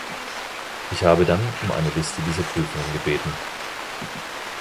Ich habe dann um eine Liste dieser Prüfungen gebeten.